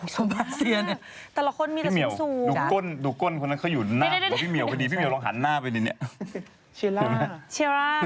ส่วนรัสเซียเนี่ยพี่เหมียวดูก้นคนนั้นเขาอยู่หน้าพี่เหมียวเดี๋ยวพี่เหมียวลองหันหน้าไปดิเนี่ย